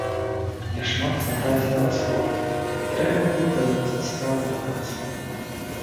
Я шмат патраціла на спорт, і трэба было даводзіць справу да канца.